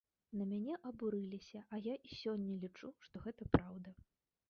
На мяне абурыліся, а я і сёння лічу, што гэта праўда.